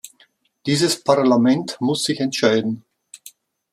Dieses Parlament muss sich entscheiden.